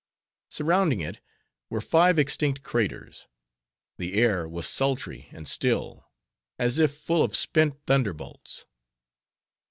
Surrounding it, were five extinct craters. The air was sultry and still, as if full of spent thunderbolts.